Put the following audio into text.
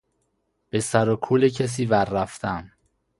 به سر و کول کسی وررفتن